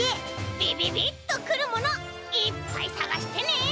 びびびっとくるものいっぱいさがしてね！